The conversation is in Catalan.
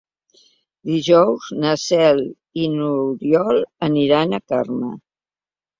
Dijous na Cel i n'Oriol aniran a Carme.